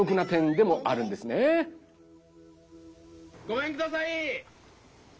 ごめんください！